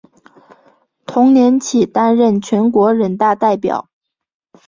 同年起担任全国人大代表。